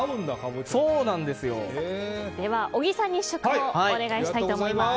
では小木さんに試食をお願いしたいと思います。